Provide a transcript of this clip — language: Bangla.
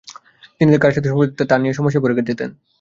তিনি কার সাথে সময় পার করবেন তা নিয়ে সমস্যায় পড়ে যেতেন।